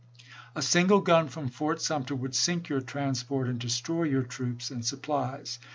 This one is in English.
A single gun from Fort Sumter would sink your transport and destroy your troops and supplies.